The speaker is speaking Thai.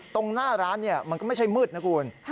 ตรงหน้าร้านมันก็ไม่ใช่มืดนะคุณ